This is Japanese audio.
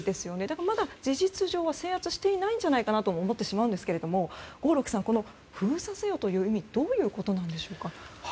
だから、まだ事実上は制圧していないんじゃないかとも思ってしまうんですけれども合六さん、封鎖せよという意味どういうことなんでしょうか。